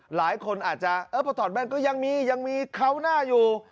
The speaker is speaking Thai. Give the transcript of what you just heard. หลายคนอาจจะเออพอถอดแม่นก็ยังมียังมีเขาหน้าอยู่